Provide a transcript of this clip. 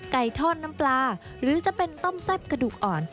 ทอดน้ำปลาหรือจะเป็นต้มแซ่บกระดูกอ่อน